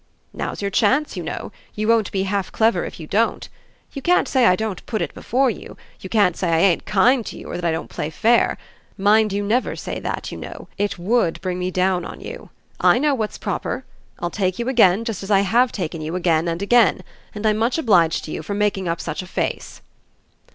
Now's your chance, you know you won't be half clever if you don't. You can't say I don't put it before you you can't say I ain't kind to you or that I don't play fair. Mind you never say that, you know it WOULD bring me down on you. I know what's proper. I'll take you again, just as I HAVE taken you again and again. And I'm much obliged to you for making up such a face."